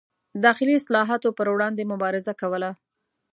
داخلي اصلاحاتو پر وړاندې مبارزه کوله.